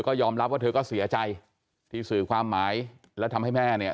ก็ยอมรับว่าเธอก็เสียใจที่สื่อความหมายแล้วทำให้แม่เนี่ย